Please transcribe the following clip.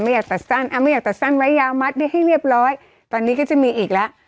อยากตัดสั้นอ่ะไม่อยากตัดสั้นไว้ยาวมัดได้ให้เรียบร้อยตอนนี้ก็จะมีอีกแล้ว